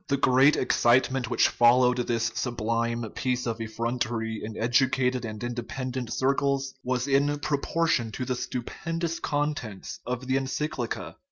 The great excitement which followed this sublime piece of effrontery in educated and independent circles was in proportion with the stupendous contents of the ency clica.